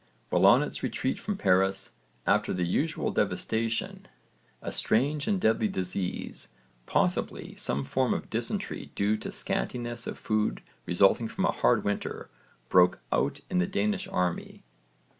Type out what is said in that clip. While on its retreat from Paris, after the usual devastation, a strange and deadly disease, possibly some form of dysentery due to scantiness of food resulting from a hard winter, broke out in the Danish army.